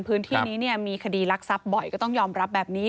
พื้นที่นี้มีคดีรักทรัพย์บ่อยก็ต้องยอมรับแบบนี้